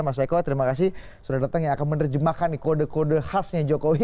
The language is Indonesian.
mas eko terima kasih sudah datang yang akan menerjemahkan kode kode khasnya jokowi